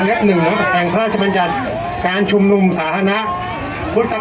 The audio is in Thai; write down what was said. ครับครั้งนี้ตั้งแต่ประดิษฐ์ส้นไปนะครับ